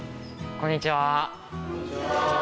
こんにちは。